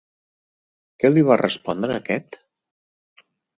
Què li va respondre aquest?